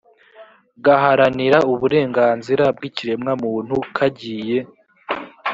gaharanira uburenganzira bw ikiremwamuntu kagiye